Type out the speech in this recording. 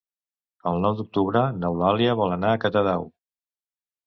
El nou d'octubre n'Eulàlia vol anar a Catadau.